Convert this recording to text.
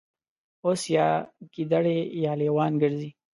اوس یا ګیدړې یا لېوان ګرځي